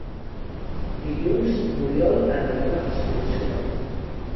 Dilluns n'Oriol anirà d'excursió.